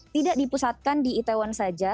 tidak dipusatkan di itaewon saja